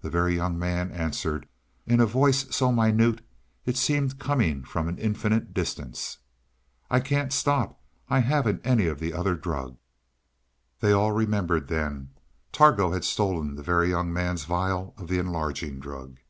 The Very Young Man answered, in a voice so minute it seemed coming from an infinite distance. "I can't stop! I haven't any of the other drug!" They all remembered then. Targo had stolen the Very Young Man's vial of the enlarging drug.